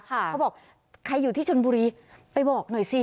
เขาบอกใครอยู่ที่ชนบุรีไปบอกหน่อยสิ